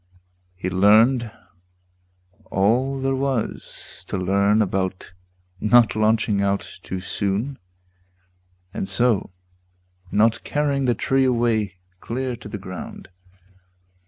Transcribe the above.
He learned all there was To learn about not launching out too soon And so not carrying the tree away Clear to the ground.